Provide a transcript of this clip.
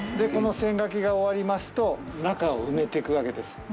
この線書きが終わりますと、中を埋めていくわけです。